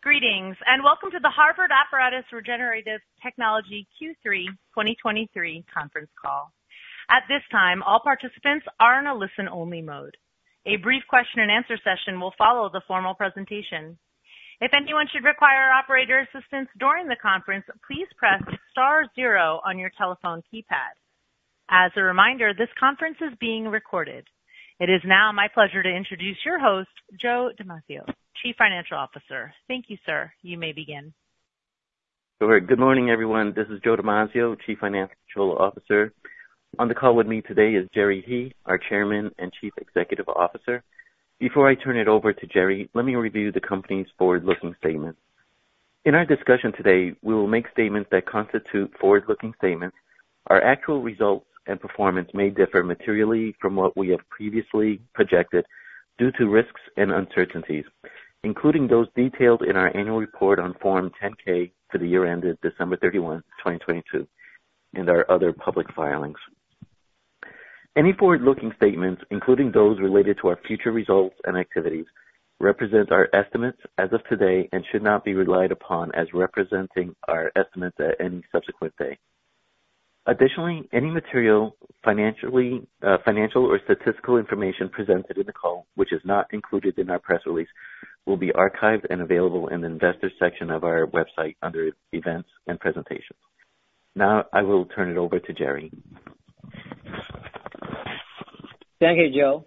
Greetings, and welcome to the Harvard Apparatus Regenerative Technology Q3 2023 conference call. At this time, all participants are in a listen-only mode. A brief question and answer session will follow the formal presentation. If anyone should require operator assistance during the conference, please press star zero on your telephone keypad. As a reminder, this conference is being recorded. It is now my pleasure to introduce your host, Joe Damasio, Chief Financial Officer. Thank you, sir. You may begin. Good morning, everyone. This is Joseph Damasio, Chief Financial Officer. On the call with me today is Jerry He, our Chairman and Chief Executive Officer. Before I turn it over to Jerry, let me review the company's forward-looking statements. In our discussion today, we will make statements that constitute forward-looking statements. Our actual results and performance may differ materially from what we have previously projected due to risks and uncertainties, including those detailed in our annual report on Form 10-K for the year ended 31 December 2022, and our other public filings. Any forward-looking statements, including those related to our future results and activities, represent our estimates as of today and should not be relied upon as representing our estimates at any subsequent day. Additionally, any material, financial or statistical information presented in the call, which is not included in our press release, will be archived and available in the investor section of our website under Events and Presentations. Now I will turn it over to Jerry. Thank you, Joe.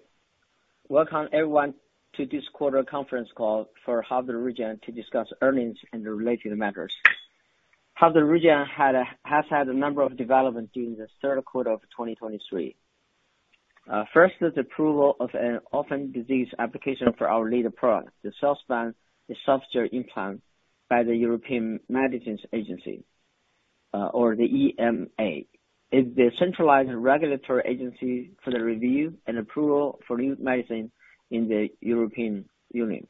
Welcome, everyone, to this quarter conference call for Harvard Regen to discuss earnings and related matters. Harvard Regen has had a number of developments during the third quarter of 2023. First, is approval of an orphan disease application for our leading product, the Cellspan Esophageal Implant, by the European Medicines Agency, or the EMA, is the centralized regulatory agency for the review and approval for new medicine in the European Union.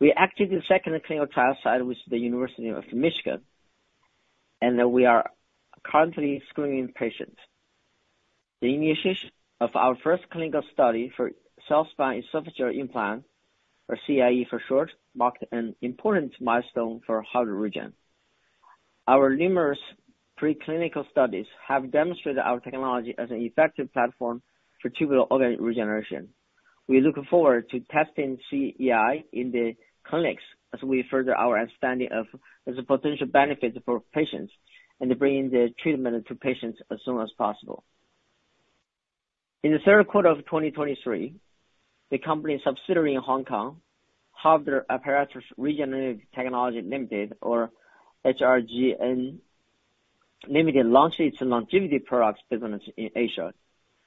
We activated the second clinical trial site with the University of Michigan, and we are currently screening patients. The initiation of our first clinical study for Cellspan Esophageal Implant, or CEI for short, marked an important milestone for Harvard Regen. Our numerous preclinical studies have demonstrated our technology as an effective platform for tubular organ regeneration. We look forward to testing CEI in the clinics as we further our understanding of the potential benefits for patients and bringing the treatment to patients as soon as possible. In the third quarter of 2023, the company's subsidiary in Hong Kong, Harvard Apparatus Regenerative Technology Limited, or HRGN Limited, launched its longevity products business in Asia,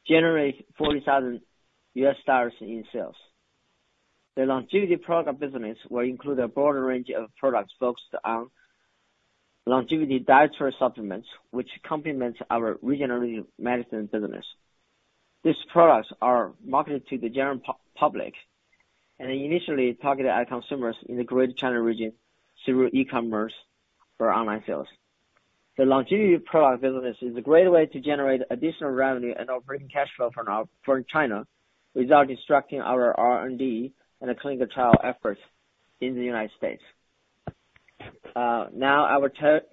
generating $40,000 in sales. The Longevity product business will include a broader range of products focused on longevity dietary supplements, which complement our regenerative medicine business. These products are marketed to the general public and initially targeted at consumers in the Greater China region through e-commerce or online sales. The Longevity product business is a great way to generate additional revenue and operating cash flow from our operation in China, without disrupting our R&D and clinical trial efforts in the United States. Now, I will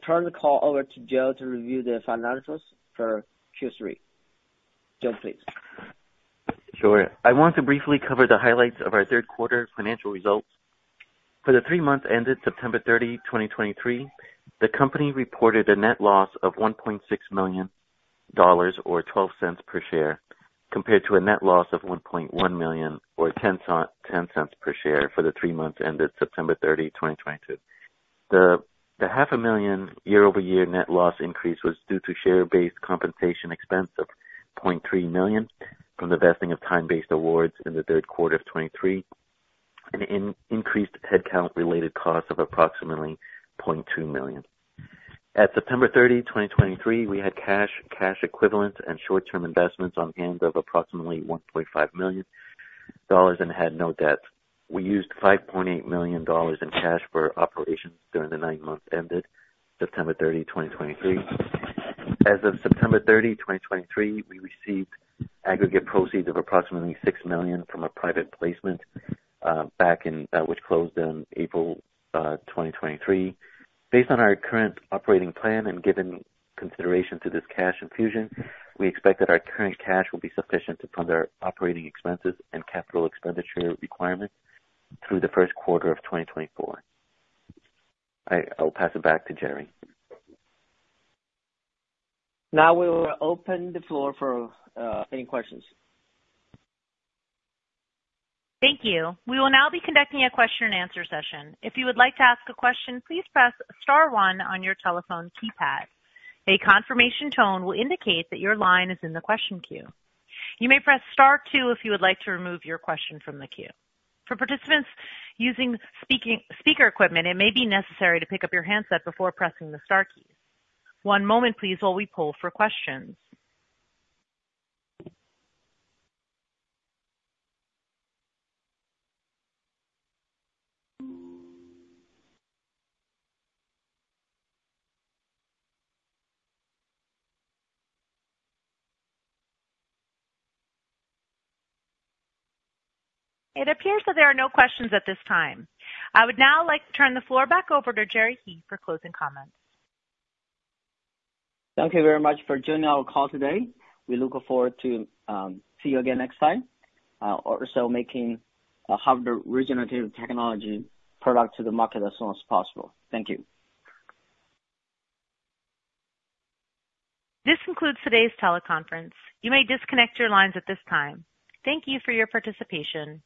turn the call over to Joe to review the financials for Q3. Joe, please. Sure. I want to briefly cover the highlights of our third quarter financial results. For the three months ended 30 September 2023, the company reported a net loss of $1.6 million, or $0.12 per share, compared to a net loss of $1.1 million, or $0.10 per share for the three months ended 30 September 2022. The $ 500,000 YoY net loss increase was due to share-based compensation expense of $0.3 million from the vesting of time-based awards in the third quarter of 2023, and increased headcount related costs of approximately $0.2 million. At 30 September 2023, we had cash, cash equivalents and short-term investments on hand of approximately $1.5 million and had no debt. We used $5.8 million in cash for operations during the nine months ended 30 September 2023. As of 30 September 2023, we received aggregate proceeds of approximately $6 million from a private placement, back in, which closed in April 2023. Based on our current operating plan and given consideration to this cash infusion, we expect that our current cash will be sufficient to fund our operating expenses and capital expenditure requirements through the first quarter of 2024. I'll pass it back to Jerry. Now, we will open the floor for any questions. Thank you. We will now be conducting a question and answer session. If you would like to ask a question, please press star one on your telephone keypad. A confirmation tone will indicate that your line is in the question queue. You may press star two if you would like to remove your question from the queue. For participants using speaker equipment, it may be necessary to pick up your handset before pressing the star key. One moment, please, while we poll for questions. It appears that there are no questions at this time. I would now like to turn the floor back over to Jerry He for closing comments. Thank you very much for joining our call today. We look forward to see you again next time, also making Harvard Regenerative Technology product to the market as soon as possible. Thank you. This concludes today's teleconference. You may disconnect your lines at this time. Thank you for your participation.